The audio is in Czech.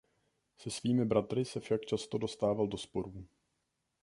Se svými bratry se však často dostával do sporů.